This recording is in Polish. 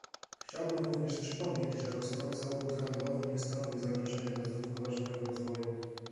Chciałbym również przypomnieć, że rosnący obrót handlowy nie stanowi zagrożenia dla zrównoważonego rozwoju